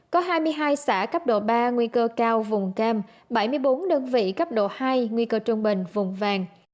có hai mươi hai xã cấp độ ba nguy cơ cao vùng cam bảy mươi bốn đơn vị cấp độ hai nguy cơ trung bình vùng vàng